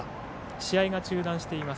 試合が中断しています。